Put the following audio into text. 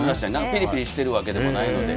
ピリピリしているわけでもないので。